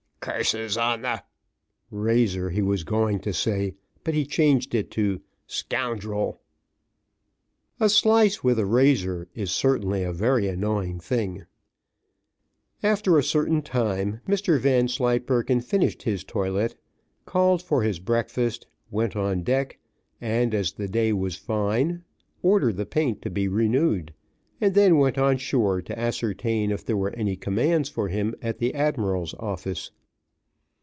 "Curses on the" (razor he was going to say, but he changed it to) "scoundrel!" A slice with a razor is certainly a very annoying thing. After a certain time, Mr Vanslyperken finished his toilet, called for his breakfast, went on deck, and as the day was fine, ordered the paint to be renewed, and then went on shore to ascertain if there were any commands for him at the admiral's office.